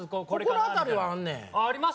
心当たりはあんねんあります？